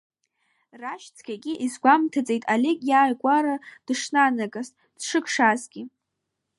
Рашь цқьагьы изгәамҭаӡеит Олег иааигәара дышнанагаз, дшыкшазгьы.